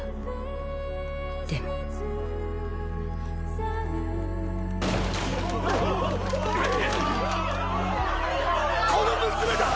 でもこの娘だ！